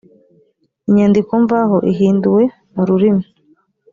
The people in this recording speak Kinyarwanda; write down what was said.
inyandiko mvaho ihinduwe mu rurimi